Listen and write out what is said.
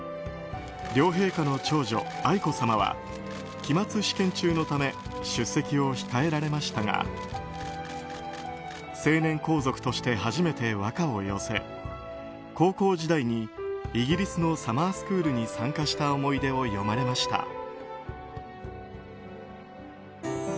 両陛下の長女・愛子さまは期末試験中のため出席を控えられましたが成年皇族として初めて和歌を寄せ高校時代にイギリスのサマースクールに参加した思い出を詠まれました。